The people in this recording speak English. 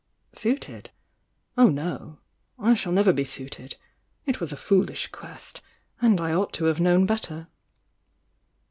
.,,. tx "Suited? Oh, no! I shall never be suited! It was a foolish quest,— and I ought to have known better!"